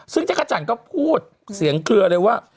ซึ่งจักรจันทร์ก็พูดเสียงเคลือเลยว่า